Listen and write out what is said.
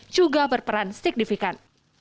juga berperan signifikan